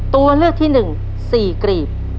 ตัวเลือกที่หนึ่ง๔กลีบ